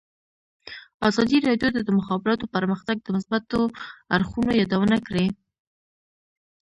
ازادي راډیو د د مخابراتو پرمختګ د مثبتو اړخونو یادونه کړې.